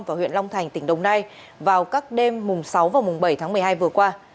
và huyện long thành tỉnh đồng nai vào các đêm sáu bảy tháng một mươi hai vừa qua